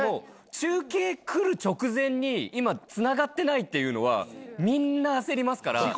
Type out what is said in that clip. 中継来る直前に今つながってないっていうのはみんな焦りますから。